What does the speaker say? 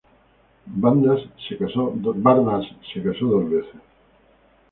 Bardas se casó dos veces.